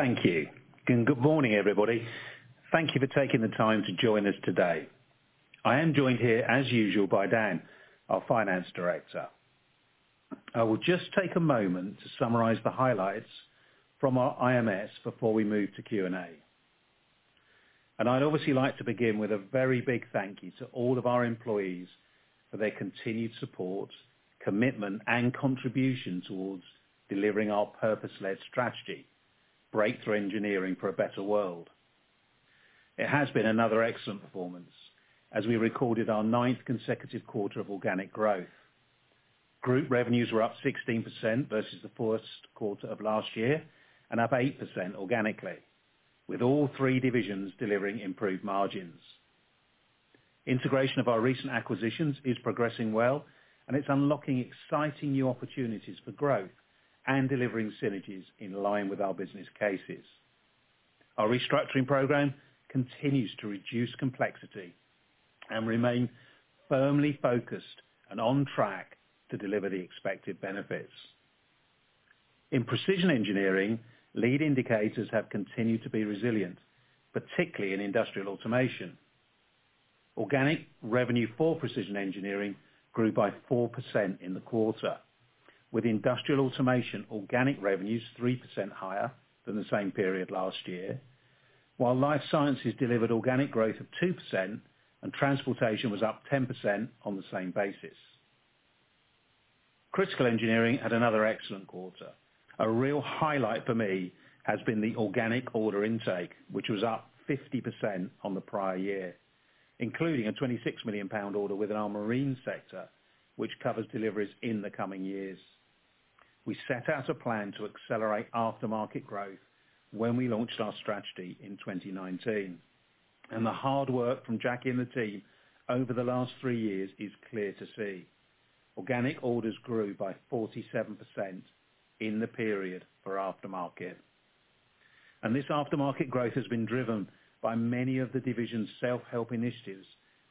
Thank you. Good morning, everybody. Thank you for taking the time to join us today. I am joined here, as usual, by Dan, our Finance Director. I will just take a moment to summarize the highlights from our IMS before we move to Q&A. I'd obviously like to begin with a very big thank you to all of our employees for their continued support, commitment, and contribution towards delivering our purpose-led strategy: breakthrough engineering for a better world. It has been another excellent performance as we recorded our ninth consecutive quarter of organic growth. Group revenues were up 16% versus the fourth quarter of last year and up 8% organically, with all three divisions delivering improved margins. Integration of our recent acquisitions is progressing well and it's unlocking exciting new opportunities for growth and delivering synergies in line with our business cases. Our restructuring program continues to reduce complexity and remain firmly focused and on track to deliver the expected benefits. In Precision Engineering, lead indicators have continued to be resilient, particularly in Industrial Automation. Organic revenue for Precision Engineering grew by 4% in the quarter, with Industrial Automation organic revenues 3% higher than the same period last year, while Life Sciences delivered organic growth of 2% and transportation was up 10% on the same basis. Critical Engineering had another excellent quarter. A real highlight for me has been the organic order intake, which was up 50% on the prior year, including a 26 million pound order within our marine sector, which covers deliveries in the coming years. We set out a plan to accelerate aftermarket growth when we launched our strategy in 2019. The hard work from Jackie and the team over the last three years is clear to see. Organic orders grew by 47% in the period for aftermarket. This aftermarket growth has been driven by many of the division's self-help initiatives,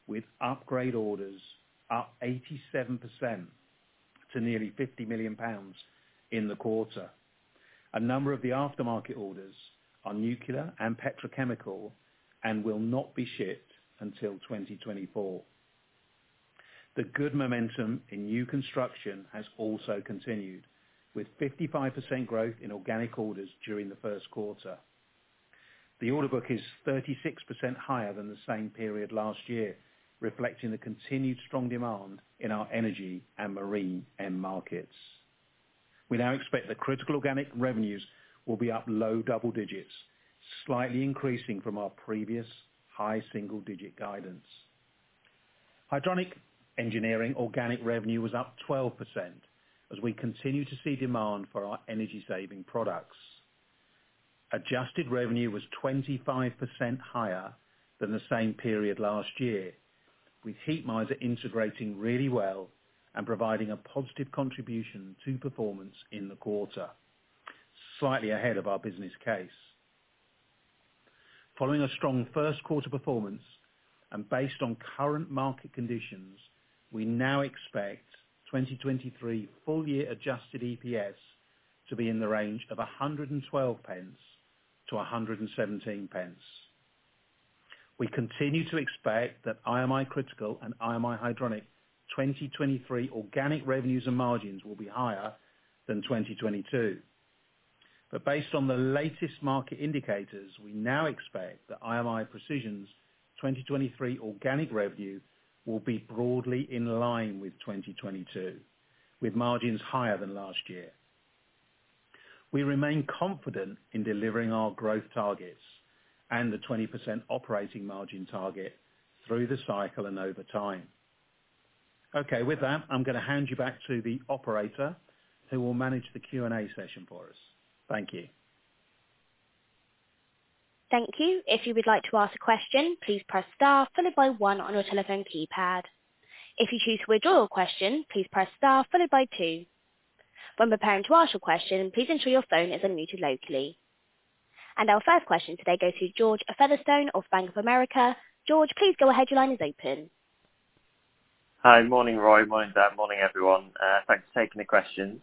with upgrade orders up 87% to nearly 50 million pounds in the quarter. A number of the aftermarket orders are nuclear and petrochemical and will not be shipped until 2024. The good momentum in new construction has also continued, with 55% growth in organic orders during the first quarter. The order book is 36% higher than the same period last year, reflecting the continued strong demand in our energy and marine end markets. We now expect the Critical organic revenues will be up low double-digits, slightly increasing from our previous high single-digit guidance. Hydronic Engineering organic revenue was up 12% as we continue to see demand for our energy-saving products. Adjusted revenue was 25% higher than the same period last year, with Heatmiser integrating really well and providing a positive contribution to performance in the quarter, slightly ahead of our business case. Following a strong first quarter performance and based on current market conditions, we now expect 2023 full year adjusted EPS to be in the range of 112 GBX-117 GBX. We continue to expect that IMI Critical and IMI Hydronic 2023 organic revenues and margins will be higher than 2022. Based on the latest market indicators, we now expect that IMI Precision's 2023 organic revenue will be broadly in line with 2022, with margins higher than last year. We remain confident in delivering our growth targets and the 20% operating margin target through the cycle and over time. Okay. With that, I'm gonna hand you back to the operator, who will manage the Q&A session for us. Thank you. Thank you. If you would like to ask a question, please press star followed by one on your telephone keypad. If you choose to withdraw your question, please press star followed by two. When preparing to ask your question, please ensure your phone is unmuted locally. Our first question today goes to George Featherstone of Bank of America. George, please go ahead. Your line is open. Hi. Morning, Roy. Morning, Dan. Morning, everyone. Thanks for taking the questions.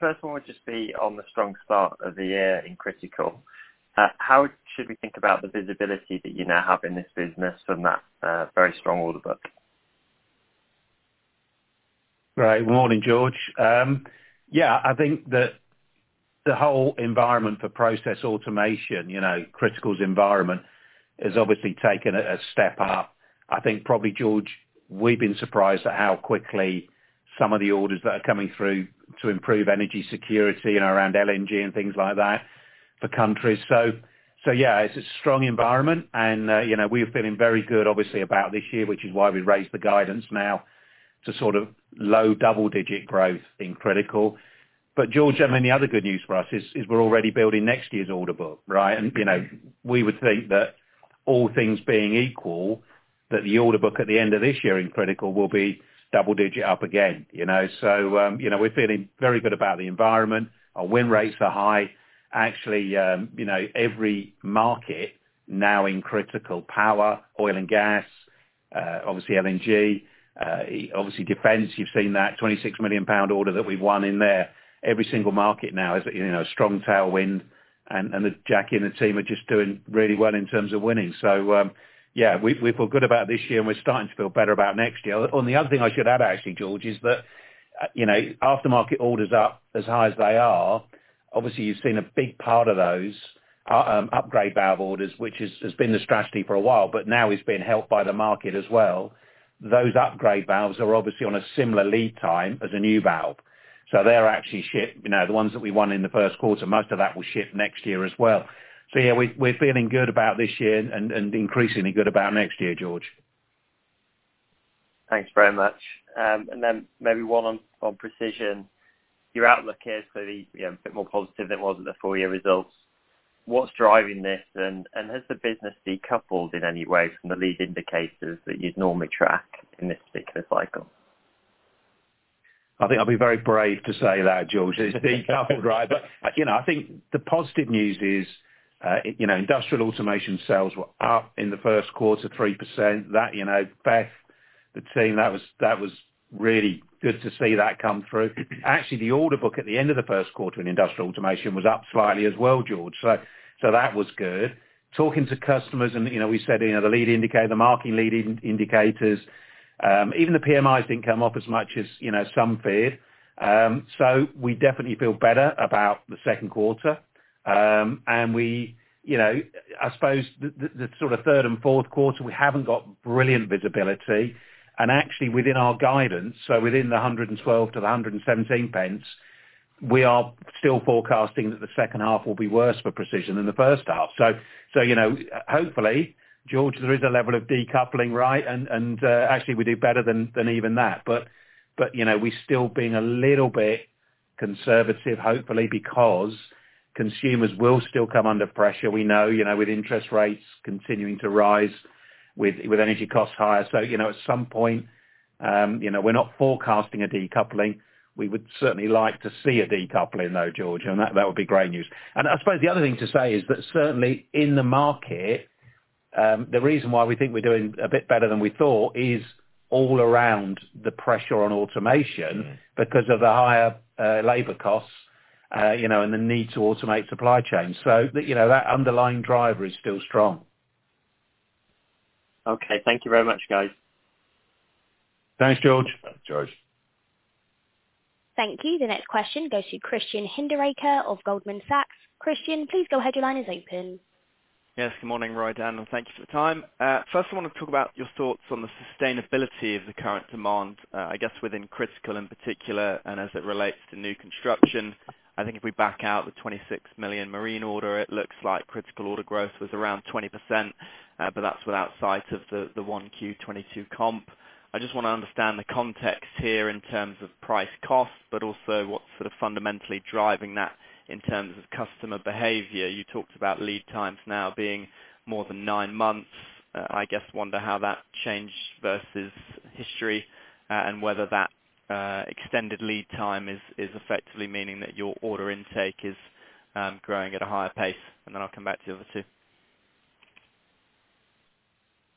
First one would just be on the strong start of the year in Critical. How should we think about the visibility that you now have in this business from that, very strong order book? Right. Morning, George. Yeah, I think that the whole environment for Process Automation, you know, Critical's environment has obviously taken a step up. I think probably, George, we've been surprised at how quickly some of the orders that are coming through to improve energy security and around LNG and things like that for countries. Yeah, it's a strong environment and, you know, we're feeling very good obviously about this year, which is why we raised the guidance now to sort of low double-digit growth in Critical. George, I mean, the other good news for us is we're already building next year's order book, right? You know, we would think that all things being equal, that the order book at the end of this year in Critical will be double digit up again, you know? You know, we're feeling very good about the environment. Our win rates are high. Actually, you know, every market now in Critical, power, oil and gas. Obviously LNG, obviously defense, you've seen that 26 million pound order that we've won in there. Every single market now is, you know, strong tailwind and Jackie and the team are just doing really well in terms of winning. Yeah, we feel good about this year and we're starting to feel better about next year. The other thing I should add actually, George, is that, you know, aftermarket orders are as high as they are. Obviously, you've seen a big part of those upgrade valve orders, which has been the strategy for a while, but now is being helped by the market as well. Those upgrade valves are obviously on a similar lead time as a new valve. They are actually, you know, the ones that we won in the first quarter, most of that will ship next year as well. Yeah, we're feeling good about this year and increasingly good about next year, George. Thanks very much. Then maybe one on Precision Engineering. Your outlook here is clearly, you know, a bit more positive than it was at the full year results. What's driving this? Has the business decoupled in any way from the lead indicators that you'd normally track in this particular cycle? I think I'll be very brave to say that, George. It's decoupled, right. You know, I think the positive news is, you know, Industrial Automation sales were up in the 1st quarter 3%. That, you know, Beth, the team, that was really good to see that come through. Actually, the order book at the end of the 1st quarter in Industrial Automation was up slightly as well, George. That was good. Talking to customers and, you know, we said, you know, the lead indicator, the market leading indicators, even the PMIs didn't come off as much as, you know, some feared. We definitely feel better about the 2nd quarter. We, you know, I suppose the sort of third and fourth quarter, we haven't got brilliant visibility and actually within our guidance, so within the 112 pence to 117 pence, we are still forecasting that the second half will be worse for Precision than the first half. You know, hopefully, George, there is a level of decoupling, right? Actually we do better than even that. You know, we're still being a little bit conservative, hopefully, because consumers will still come under pressure. We know, you know, with interest rates continuing to rise with energy costs higher. You know, at some point, you know, we're not forecasting a decoupling. We would certainly like to see a decoupling though, George, and that would be great news. I suppose the other thing to say is that certainly in the market, the reason why we think we're doing a bit better than we thought is all around the pressure on automation because of the higher, labor costs, you know, and the need to automate supply chain. You know, that underlying driver is still strong. Okay. Thank you very much, guys. Thanks, George. Thanks, George. Thank you. The next question goes to Christian Hinderaker of Goldman Sachs. Christian, please go ahead. Your line is open. Yes, good morning, Roy, Dan, and thank you for the time. First I want to talk about your thoughts on the sustainability of the current demand, I guess within Critical in particular, and as it relates to new construction. I think if we back out the 26 million marine order, it looks like Critical order growth was around 20%, but that's without sight of the 1Q 2022 comp. I just wanna understand the context here in terms of price cost, but also what's sort of fundamentally driving that in terms of customer behavior. You talked about lead times now being more than 9 months. I guess wonder how that changed versus history, and whether that extended lead time is effectively meaning that your order intake is growing at a higher pace. Then I'll come back to the other two.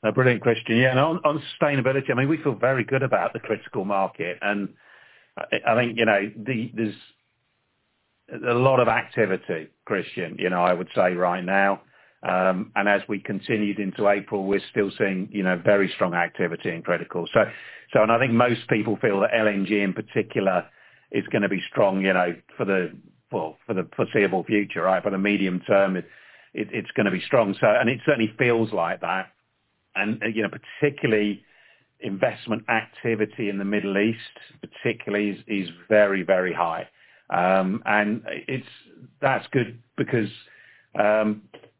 A brilliant question. Yeah, and on sustainability, I mean, we feel very good about the Critical Engineering market. I think, you know, there's a lot of activity, Christian, you know, I would say right now. As we continued into April, we're still seeing, you know, very strong activity in Critical Engineering. I think most people feel that LNG in particular is gonna be strong, you know, for the, well, for the foreseeable future, right? For the medium term, it's gonna be strong. It certainly feels like that. You know, particularly investment activity in the Middle East particularly is very, very high. That's good because,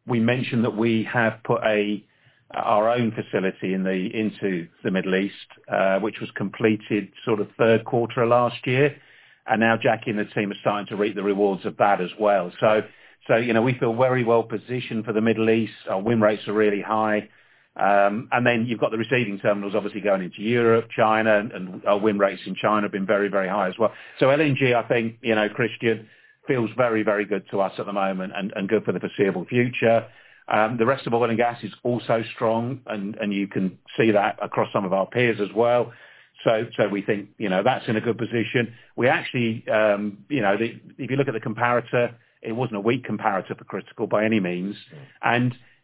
we mentioned that we have put our own facility into the Middle East, which was completed sort of third quarter of last year. Now Jackie and the team are starting to reap the rewards of that as well. You know, we feel very well positioned for the Middle East. Our win rates are really high. Then you've got the receiving terminals obviously going into Europe, China, and our win rates in China have been very high as well. LNG, I think, you know, Christian, feels very good to us at the moment and good for the foreseeable future. The rest of oil and gas is also strong and you can see that across some of our peers as well. We think, you know, that's in a good position. We actually, you know, if you look at the comparator, it wasn't a weak comparator for Critical by any means.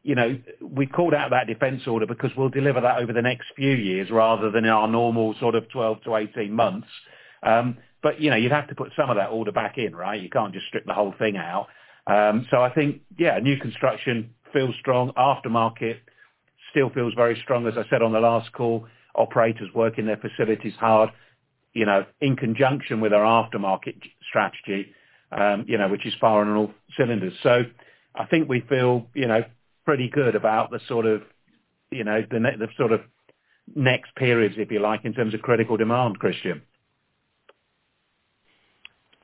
You know, we called out that defense order because we'll deliver that over the next few years rather than our normal sort of 12 to 18 months. You know, you'd have to put some of that order back in, right? You can't just strip the whole thing out. I think, yeah, new construction feels strong. Aftermarket still feels very strong, as I said on the last call. Operators working their facilities hard, you know, in conjunction with our aftermarket strategy, you know, which is firing on all cylinders. I think we feel, you know, pretty good about the sort of, you know, the sort of next periods, if you like, in terms of critical demand, Christian.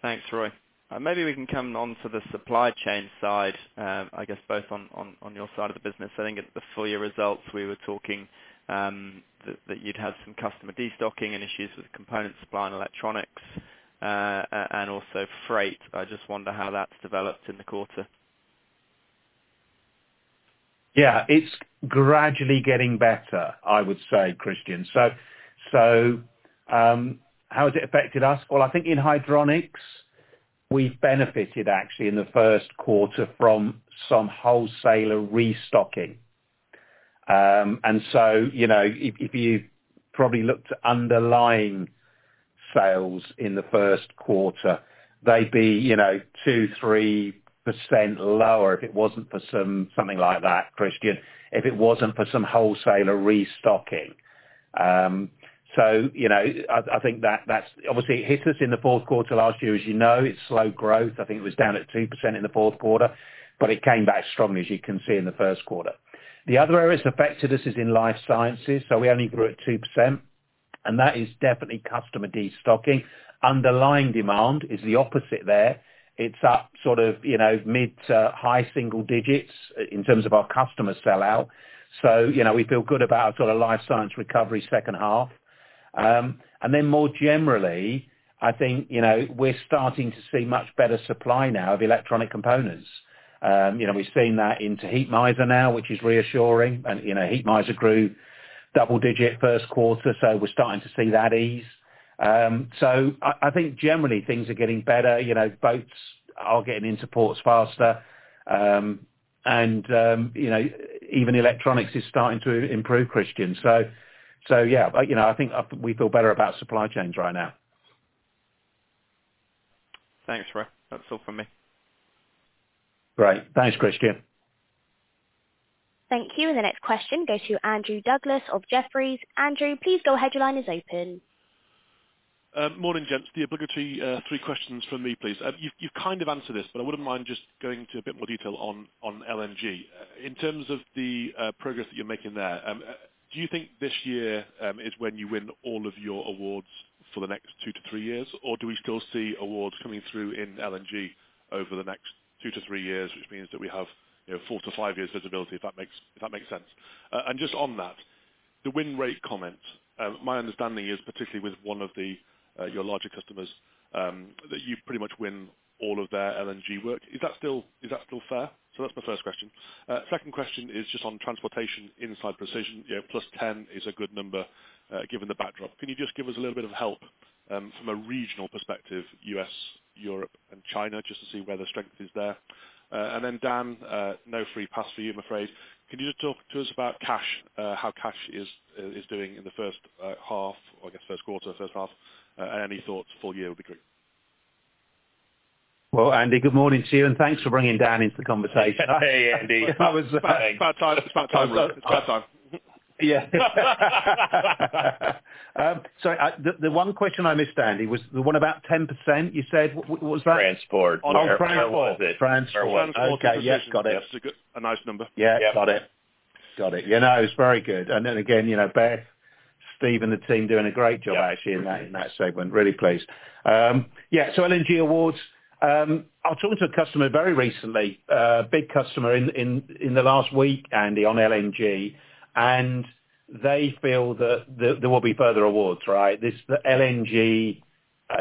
Thanks, Roy. Maybe we can come on to the supply chain side, I guess both on your side of the business. I think at the full year results, we were talking, that you'd had some customer destocking and issues with component supply and electronics, and also freight. I just wonder how that's developed in the quarter. Yeah, it's gradually getting better, I would say, Christian. How has it affected us? Well, I think in Hydronics we've benefited actually in the first quarter from some wholesaler restocking. You know, if you probably look to underlying sales in the first quarter, they'd be, you know, 2%-3% lower if it wasn't for something like that, Christian, if it wasn't for some wholesaler restocking. You know, I think that's obviously it hit us in the fourth quarter last year, as you know, it slowed growth. I think it was down at 2% in the fourth quarter, but it came back strongly, as you can see in the first quarter. The other area it's affected us is in Life Science, so we only grew at 2%, and that is definitely customer destocking. Underlying demand is the opposite there. It's up sort of, you know, mid to high single digits in terms of our customer sell out. You know, we feel good about sort of Life Science recovery second half. Then more generally, I think, you know, we're starting to see much better supply now of electronic components. You know, we've seen that into Heatmiser now, which is reassuring. You know, Heatmiser grew double-digit first quarter, so we're starting to see that ease. I think generally things are getting better. You know, boats are getting into ports faster, and, you know, even electronics is starting to improve, Christian. Yeah, you know, I think we feel better about supply chains right now. Thanks, Roy. That's all from me. Great. Thanks, Christian. Thank you. The next question goes to Andrew Douglas of Jefferies. Andrew, please go ahead. Your line is open. Morning, gents. The obligatory, three questions from me, please. You've, you've kind of answered this, but I wouldn't mind just going to a bit more detail on LNG. In terms of the progress that you're making there, do you think this year is when you win all of your awards for the next 2-3 years? Or do we still see awards coming through in LNG over the next 2-3 years, which means that we have, you know, 4-5 years visibility, if that makes sense. Just on that, the win rate comment, my understanding is particularly with one of the your larger customers, that you pretty much win all of their LNG work. Is that still fair? That's my first question. Second question is just on transportation inside Precision, you know, +10% is a good number, given the backdrop. Can you just give us a little bit of help from a regional perspective, U.S., Europe, and China, just to see where the strength is there? Dan, no free pass for you, I'm afraid. Can you just talk to us about cash, how cash is doing in the first half or I guess first quarter, first half? Any thoughts full year would be great. Well, Andy, good morning to you, and thanks for bringing Dan into the conversation. Hey, Andy. It's about time. It's about time. It's about time. Yeah. The one question I missed, Andy, was the one about 10% you said. What was that? Transport. On transport. Was it railway? Transport. Okay. Yes. Got it. Transport and precision. Yes. A nice number. Yeah. Yeah. Got it. Got it. You know, it's very good. Then again, you know, Beth, Steve, and the team doing a great job actually in that segment. Really pleased. Yeah, LNG awards. I talked to a customer very recently, a big customer in the last week, Andy, on LNG, and they feel that there will be further awards, right? This, the LNG,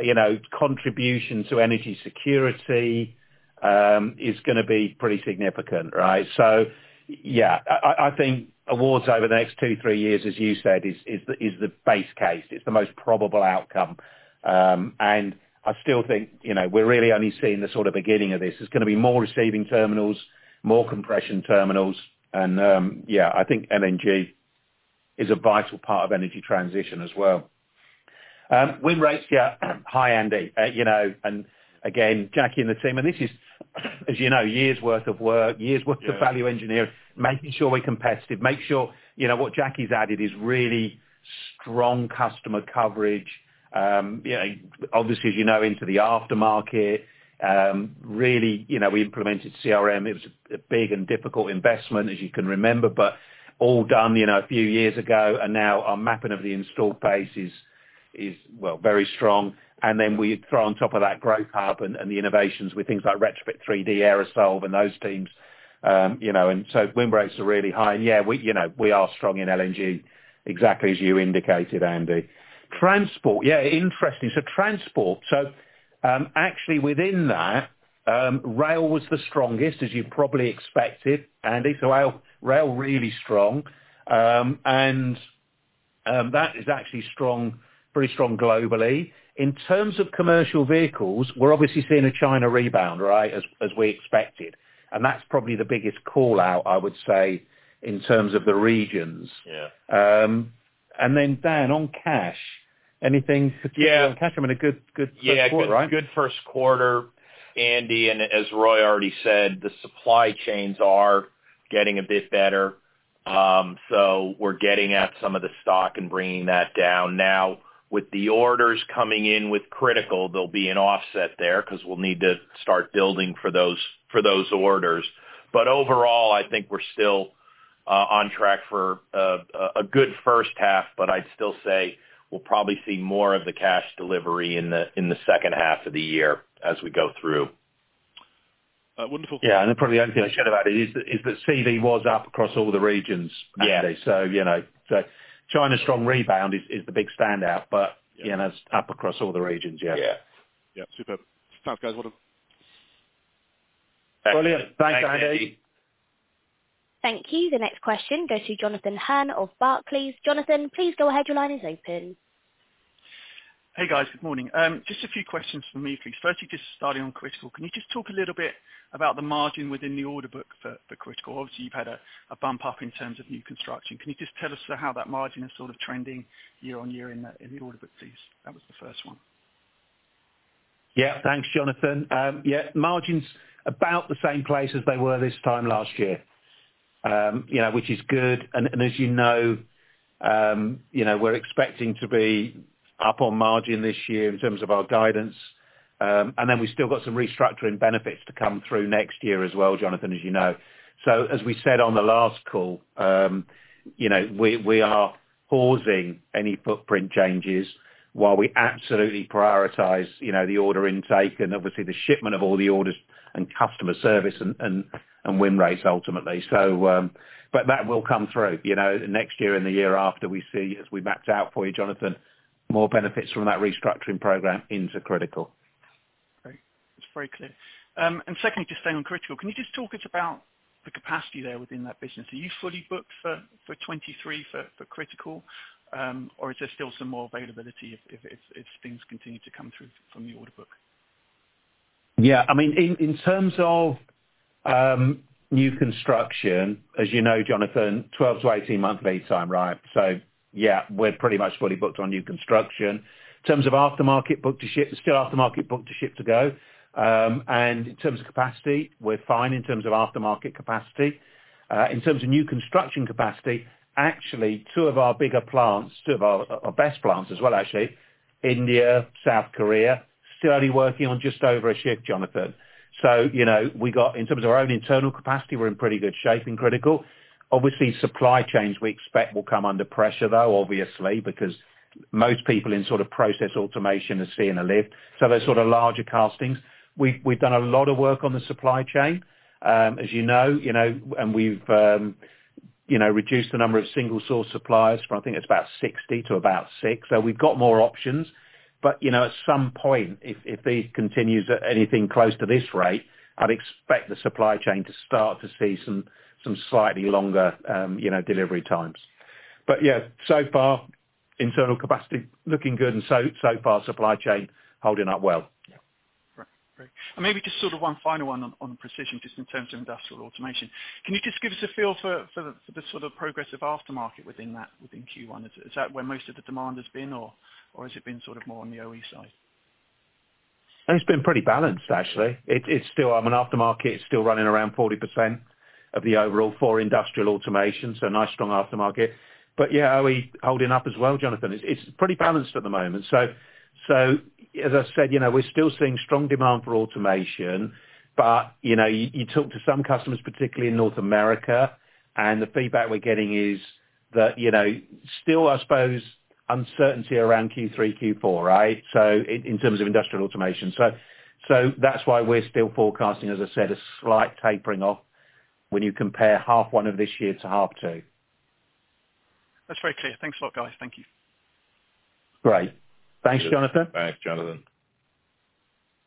you know, contribution to energy security, is gonna be pretty significant, right? Yeah. I think awards over the next two, three years, as you said, is the base case. It's the most probable outcome. I still think, you know, we're really only seeing the sort of beginning of this. There's gonna be more receiving terminals, more compression terminals, yeah, I think LNG is a vital part of energy transition as well. Win rates, yeah. Hi, Andy. You know, again, Jackie and the team, and this is, as you know, years' worth of work, years' worth of value engineering, making sure we're competitive, make sure, you know, what Jackie's added is really strong customer coverage. You know, obviously, as you know, into the aftermarket. Really, you know, we implemented CRM. It was a big and difficult investment, as you can remember, but all done, you know, a few years ago. Now our mapping of the installed base is well, very strong. Then we throw on top of that Growth Hub and the innovations with things like Retrofit3D aerosol and those teams. You know, win rates are really high. Yeah, we, you know, we are strong in LNG exactly as you indicated, Andy. Transport. Yeah. Interesting. Transport. Actually within that, rail was the strongest, as you probably expected, Andy. Rail really strong. That is actually strong, pretty strong globally. In terms of commercial vehicles, we're obviously seeing a China rebound, right, as we expected, and that's probably the biggest call-out, I would say, in terms of the regions. Yeah. Dan, on cash, anything? Yeah. On cash? I mean, a good quarter, right. Yeah. Good, good first quarter, Andy, and as Roy already said, the supply chains are getting a bit better. We're getting at some of the stock and bringing that down. Now, with the orders coming in with Critical, there'll be an offset there 'cause we'll need to start building for those, for those orders. Overall, I think we're still on track for a good first half, but I'd still say we'll probably see more of the cash delivery in the second half of the year as we go through. Wonderful. Yeah. Probably the only thing I should add is that CV was up across all the regions actually. Yeah. You know. China's strong rebound is the big standout. Yeah. You know, it's up across all the regions, yeah. Yeah. Superb. Thanks guys. Well done. Brilliant. Thanks Andy. Thank you. The next question goes to Jonathan Hurn of Barclays. Jonathan, please go ahead. Your line is open. Hey guys. Good morning. Just a few questions from me, please. Firstly, just starting on Critical. Can you just talk a little bit about the margin within the order book for Critical? Obviously, you've had a bump up in terms of new construction. Can you just tell us how that margin is sort of trending year-on-year in the order book, please? That was the first one. Yeah, thanks, Jonathan. Yeah, margin's about the same place as they were this time last year, you know, which is good. As you know, you know, we're expecting to be up on margin this year in terms of our guidance. Then we've still got some restructuring benefits to come through next year as well, Jonathan, as you know. As we said on the last call, you know, we are pausing any footprint changes while we absolutely prioritize, you know, the order intake and obviously the shipment of all the orders and customer service and win rates ultimately. That will come through, you know, next year and the year after we see as we mapped out for you, Jonathan, more benefits from that restructuring program into Critical. Great. It's very clear. Secondly, just staying on Critical, can you just talk us about the capacity there within that business? Are you fully booked for 2023 for Critical, or is there still some more availability if things continue to come through from the order book? I mean, in terms of new construction, as you know Jonathan, 12-18 months lead time, right? We're pretty much fully booked on new construction. In terms of aftermarket book to ship, still aftermarket book to ship to go. In terms of capacity, we're fine in terms of aftermarket capacity. In terms of new construction capacity, actually 2 of our bigger plants, 2 of our best plants as well, actually, India, South Korea, still only working on just over 1 shift, Jonathan. You know, in terms of our own internal capacity, we're in pretty good shape in Critical. Obviously, supply chains we expect will come under pressure though, obviously, because most people in sort of Process Automation are seeing a lift. Those sort of larger castings. We've done a lot of work on the supply chain, as you know, you know, and we've, you know, reduced the number of single source suppliers from, I think it's about 60 to about 6. We've got more options. You know, at some point if this continues at anything close to this rate, I'd expect the supply chain to start to see some slightly longer, you know, delivery times. Yeah, so far internal capacity looking good and so far supply chain holding up well. Yeah. Great. Great. Maybe just sort of one final one on Precision just in terms of Industrial Automation. Can you just give us a feel for the sort of progress of aftermarket within that, within Q1? Is that where most of the demand has been or has it been sort of more on the OE side? It's been pretty balanced actually. I mean, aftermarket is still running around 40% of the overall for Industrial Automation, nice strong aftermarket. Yeah, OE holding up as well, Jonathan. It's pretty balanced at the moment. As I said, you know, we're still seeing strong demand for automation, but, you know, you talk to some customers, particularly in North America, and the feedback we're getting is that, you know, still I suppose uncertainty around Q3, Q4, right? In terms of Industrial Automation. That's why we're still forecasting, as I said, a slight tapering off when you compare half one of this year to half two. That's very clear. Thanks a lot, guys. Thank you. Great. Thanks, Jonathan. Thanks, Jonathan.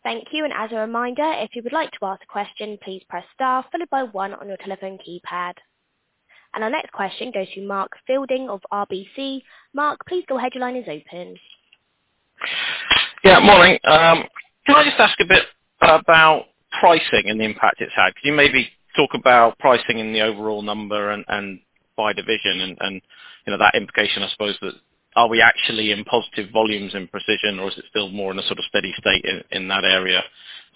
Thank you, and as a reminder, if you would like to ask a question, please press star followed by 1 on your telephone keypad. Our next question goes to Mark Fielding of RBC. Mark, please go ahead, your line is open. Yeah, morning. Can I just ask a bit about pricing and the impact it's had? Can you maybe talk about pricing in the overall number and by division and, you know, that implication, I suppose, that are we actually in positive volumes in Precision or is it still more in a sort of steady state in that area?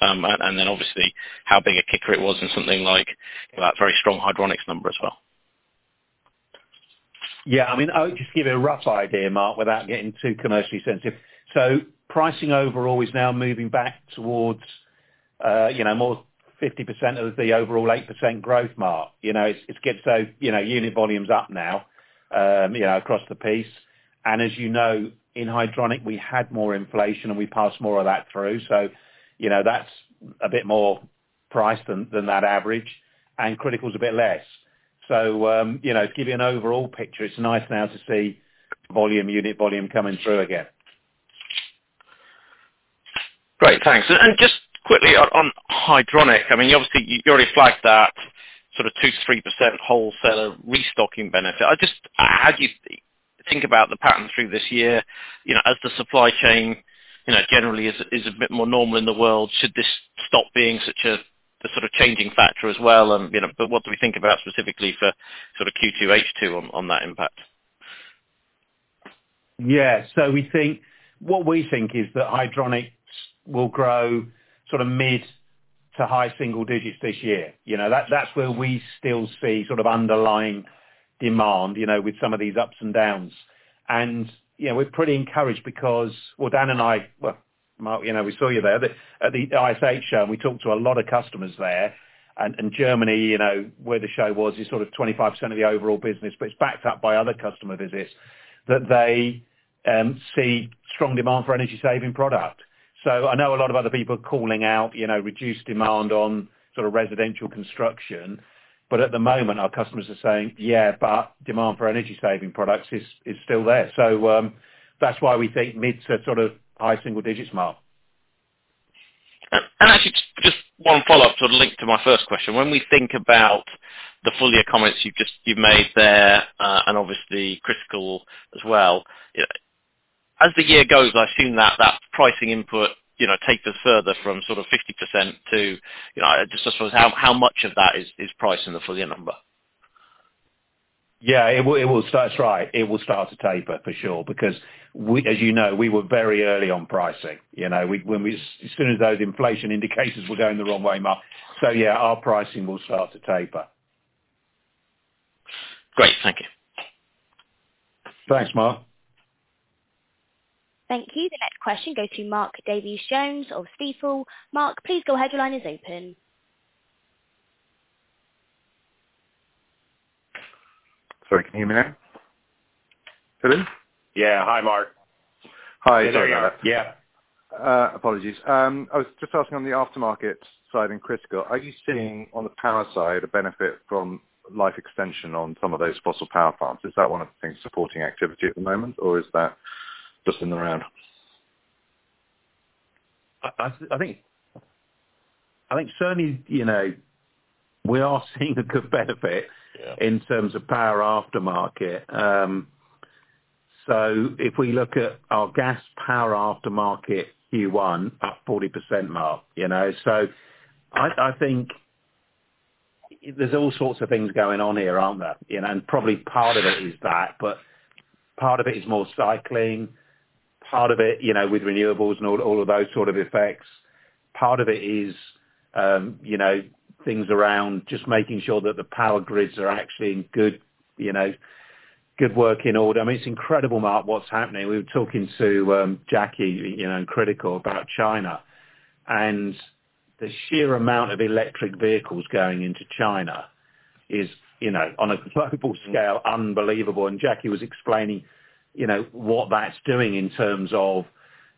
Then obviously how big a kicker it was in something like that very strong Hydronics number as well. Yeah. I mean, I would just give you a rough idea, Mark, without getting too commercially sensitive. Pricing overall is now moving back towards, you know, more 50% of the overall 8% growth Mark. You know, it gets, you know, unit volumes up now, you know, across the piece. As you know, in Hydronic we had more inflation and we passed more of that through. You know, that's a bit more price than that average and Critical is a bit less. You know, to give you an overall picture, it's nice now to see volume, unit volume coming through again. Great. Thanks. Just quickly on hydronic, I mean, obviously you already flagged that sort of 2%-3% wholesaler restocking benefit. How do you think about the pattern through this year, you know, as the supply chain, you know, generally is a bit more normal in the world, should this stop being such a sort of changing factor as well and, you know? What do we think about specifically for sort of Q2 H2 on that impact? Yeah. What we think is that Hydronics will grow sort of mid to high single digits this year. You know, that's where we still see sort of underlying demand, you know, with some of these ups and downs. You know, we're pretty encouraged because Dan and I, Mark, you know, we saw you there, but at the ISH show, and we talked to a lot of customers there and Germany, you know, where the show was, is sort of 25% of the overall business, but it's backed up by other customer visits that they see strong demand for energy saving product. I know a lot of other people are calling out, you know, reduced demand on sort of residential construction, but at the moment, our customers are saying, yeah, but demand for energy saving products is still there. That's why we think mid to sort of high single digits, Mark. Actually just one follow-up to a link to my first question. When we think about the full year comments you've made there, and obviously Critical as well, you know, as the year goes, I assume that that pricing input, you know, takes us further from sort of 50% to, you know, How much of that is priced in the full year number? Yeah, it will start. That's right, it will start to taper for sure because as you know, we were very early on pricing. You know, as soon as those inflation indicators were going the wrong way, Mark. Yeah, our pricing will start to taper. Great. Thank you. Thanks, Mark. Thank you. The next question goes to Mark Davies-Jones of Stifel. Mark, please go ahead. Your line is open. Sorry, can you hear me now? Hello? Yeah. Hi, Mark. Hi. Sorry about that. Yeah. Apologies. I was just asking on the aftermarket side, in Critical, are you seeing on the power side a benefit from life extension on some of those fossil power plants? Is that one of the things supporting activity at the moment, or is that just in the round? I think certainly, you know, we are seeing a good. Yeah. in terms of power aftermarket. If we look at our gas power aftermarket Q1, up 40%, Mark, you know. I think there's all sorts of things going on here, aren't there? You know, probably part of it is that, but part of it is more cycling, part of it, you know, with renewables and all of those sort of effects. Part of it is, you know, things around just making sure that the power grids are actually in good, you know, good working order. I mean, it's incredible, Mark, what's happening. We were talking to Jackie, you know, in Critical about China, the sheer amount of electric vehicles going into China is, you know, on a global scale, unbelievable. Jackie was explaining, you know, what that's doing in terms of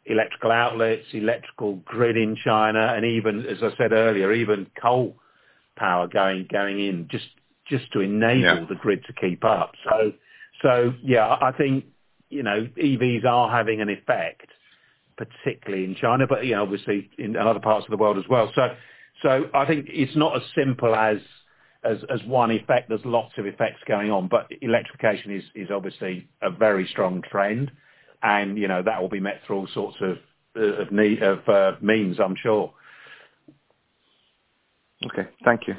electrical outlets, electrical grid in China, and even, as I said earlier, even coal power going in just to enable... Yeah. the grid to keep up. Yeah, I think, you know, EVs are having an effect, particularly in China, but you know, obviously in other parts of the world as well. I think it's not as simple as one effect. There's lots of effects going on, but electrification is obviously a very strong trend and, you know, that will be met through all sorts of means, I'm sure. Okay. Thank you.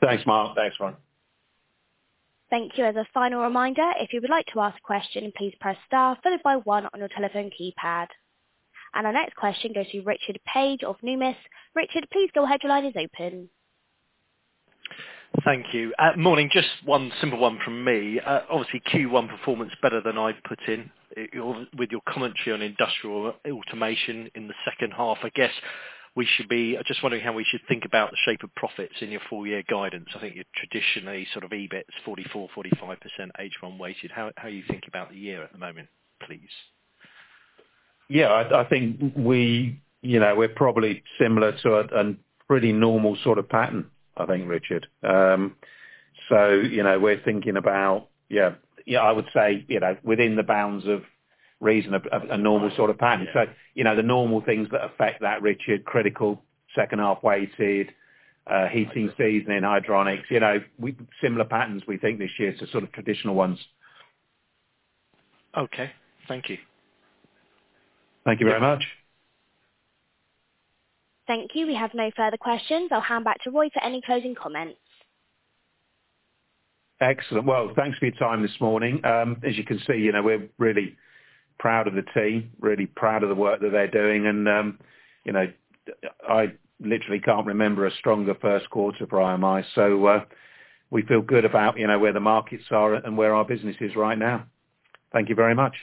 Thanks, Mark. Thank you. As a final reminder, if you would like to ask a question, please press star followed by one on your telephone keypad. Our next question goes to Richard Paige of Numis. Richard, please go ahead. Your line is open. Thank you. Morning. Just one simple one from me. Obviously Q1 performance better than I'd put in. With your commentary on Industrial Automation in the second half, I'm just wondering how we should think about the shape of profits in your full year guidance. I think you're traditionally sort of EBITs 44%-45% H1 weighted. How, how are you thinking about the year at the moment, please? Yeah, I think we, you know, we're probably similar to a pretty normal sort of pattern, I think, Richard. You know, we're thinking about, yeah, I would say, you know, within the bounds of reason a normal sort of pattern. Yeah. You know, the normal things that affect that, Richard, Critical, second half weighted, heating season in Hydronics. You know, similar patterns we think this year to sort of traditional ones. Okay. Thank you. Thank you very much. Thank you. We have no further questions. I'll hand back to Roy for any closing comments. Excellent. Well, thanks for your time this morning. As you can see, you know, we're really proud of the team, really proud of the work that they're doing and, you know, I literally can't remember a stronger first quarter for IMI. We feel good about, you know, where the markets are and where our business is right now. Thank you very much.